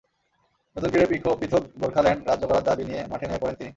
নতুন করে পৃথক গোর্খাল্যান্ড রাজ্য গড়ার দাবি নিয়ে মাঠে নেমে পড়েন তিনি।